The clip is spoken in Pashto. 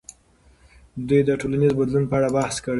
دوی د ټولنیز بدلون په اړه بحث کړی دی.